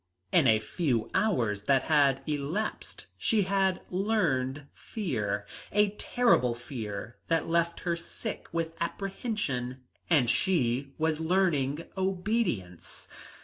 In a few hours that had elapsed she had learned fear, a terrible fear that left her sick with apprehension, and she was learning obedience.